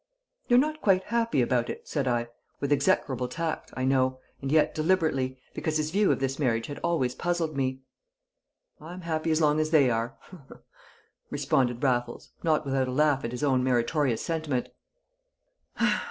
"You're not quite happy about it," said I, with execrable tact, I know, and yet deliberately, because his view of this marriage had always puzzled me. "I'm happy as long as they are," responded Raffles, not without a laugh at his own meritorious sentiment.